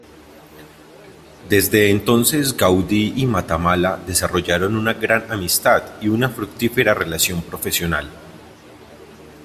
Desde entonces Gaudí y Matamala desarrollaron una gran amistad y una fructífera relación profesional.